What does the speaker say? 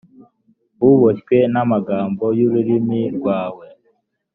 uboshywe n’amagambo y’ururimi rwawe